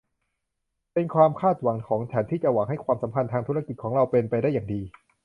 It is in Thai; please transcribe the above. เป็นความคาดหวังของฉันที่จะหวังให้ความสัมพันธ์ทางธุรกิจของเราเป็นไปได้อย่างดี